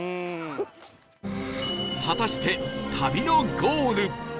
果たして旅のゴール